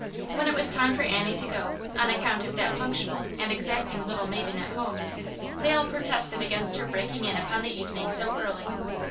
When it was time for Annie to go, on account of that punctual and exacting little maiden at hbme, they all pro tested against her breaking in upon the evening so early.